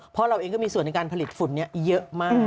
เพราะเราเองก็มีส่วนในการผลิตฝุ่นนี้เยอะมาก